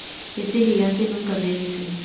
Este gigante nunca vence.